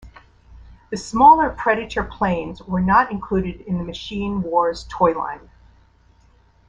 The smaller Predator planes were not included in the Machine Wars toyline.